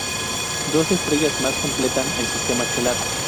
Dos estrellas más completan el sistema estelar.